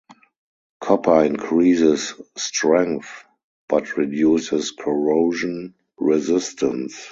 Copper increases strength, but reduces corrosion resistance.